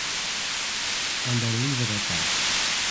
And I’ll leave it at that.